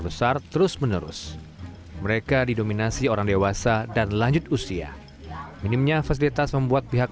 besar terus menerus mereka didominasi orang dewasa dan lanjut usia minimnya fasilitas membuat pihak